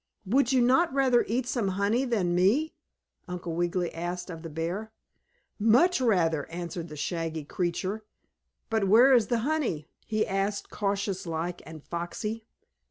"Would you not rather eat some honey than me?" Uncle Wiggily asked of the bear. "Much rather," answered the shaggy creature, "but where is the honey?" he asked, cautious like and foxy.